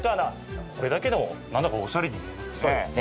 これだけでもなんだか、おしゃれに見えますね。